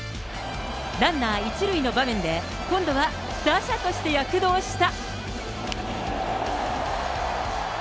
ランナー１塁の場面で、今度は打者として躍動した。